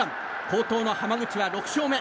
好投の濱口は６勝目。